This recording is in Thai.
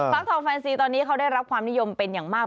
ทองแฟนซีตอนนี้เขาได้รับความนิยมเป็นอย่างมาก